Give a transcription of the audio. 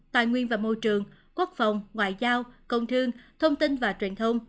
tài nguyên và môi trường quốc phòng ngoại giao công thương thông tin và truyền thông